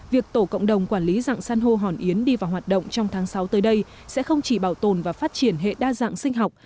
việc tổ cộng đồng quản lý dạng san hô hòn yến đi vào hoạt động trong tháng sáu tới đây sẽ không chỉ bảo tồn và phát triển hệ đa dạng sinh học